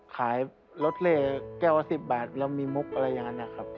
ขายรถหลี๙๐บาทแล้วมีมุกอะไรอย่างนั้นครับ